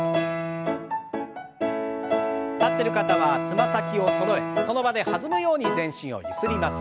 立ってる方はつま先をそろえその場で弾むように全身をゆすります。